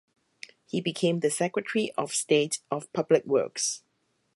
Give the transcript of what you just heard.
He became the Secretary of State of Public Works.